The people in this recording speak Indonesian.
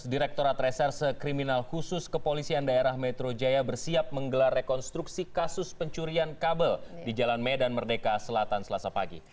direkturat reserse kriminal khusus kepolisian daerah metro jaya bersiap menggelar rekonstruksi kasus pencurian kabel di jalan medan merdeka selatan selasa pagi